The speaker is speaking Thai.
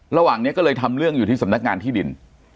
ระหว่างนี้ก็เลยทำเรื่องอยู่ที่สำนักงานที่ดิน